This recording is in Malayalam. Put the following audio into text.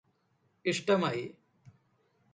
ഇഷ്ടമായി